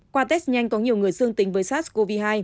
qua test nhanh có nhiều người dương tính với sars cov hai